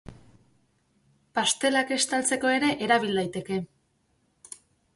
Pastelak estaltzeko ere erabil daiteke.